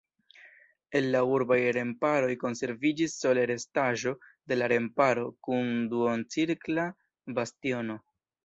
El la urbaj remparoj konserviĝis sole restaĵo de remparo kun duoncirkla bastiono.